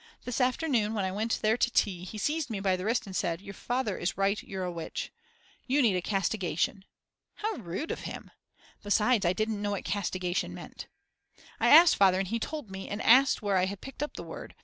This afternoon, when I went there to tea, he seized me by the wrist and said: Your father is right, you're a witch. "You need a castigation." How rude of him. Besides, I didn't know what castigation meant. I asked Father and he told me and asked where I had picked up the word.